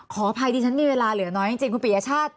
ขออภัยดิฉันมีเวลาเหลือน้อยจริงคุณปียชาติ